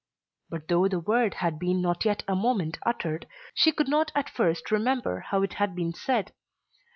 But though the word had been not yet a moment uttered, she could not at first remember how it had been said.